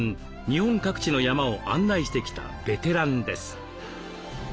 日本各地の山を案内してきたベテランです。